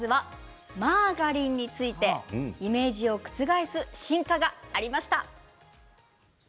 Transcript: マーガリンについてイメージを覆す進化がありました。